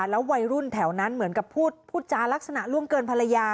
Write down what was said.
แล้ววัยรุ่นแถวนั้นเหมือนกับพูดจารักษณะล่วงเกินภรรยา